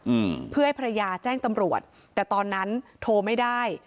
อืมเพื่อให้ภรรยาแจ้งตำรวจแต่ตอนนั้นโทรไม่ได้